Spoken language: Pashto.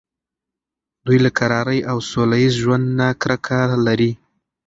دوی له کرارۍ او سوله ایز ژوند نه کرکه لري.